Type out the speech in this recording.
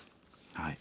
はい。